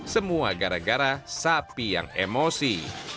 semua gara gara sapi yang emosi